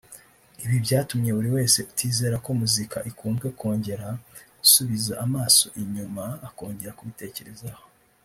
Ibi byatumye buri wese utizera ko muzika ikunzwe kongera gusubiza amaso inyuma akongera kubitekerezaho